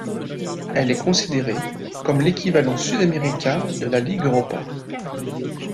Elle est considérée comme l'équivalent sud-américain de la Ligue Europa.